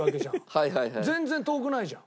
全然遠くないじゃん。